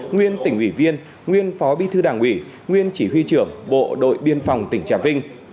nguyên tỉnh ủy viên nguyên phó bí thư đảng ủy nguyên chỉ huy trưởng bộ đội biên phòng tỉnh trà vinh